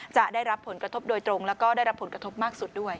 จะได้รับผลกระทบโดยตรงแล้วก็ได้รับผลกระทบมากสุดด้วย